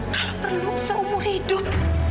kalau perlu seumur hidup